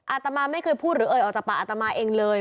อาตมาไม่เคยพูดหรือเอ่ยออกจากป่าอาตมาเองเลย